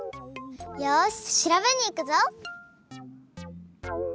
よししらべにいくぞ！